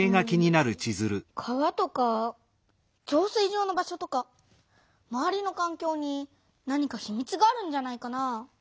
川とか浄水場の場所とかまわりのかんきょうに何かひみつがあるんじゃないかな？